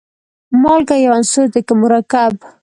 مالګه یو عنصر دی که مرکب.